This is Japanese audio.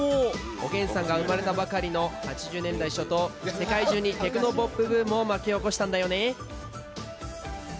おげんさんが生まれたばかりの８０年代初頭世界中にテクノポップブームを巻き起こしたんだよね。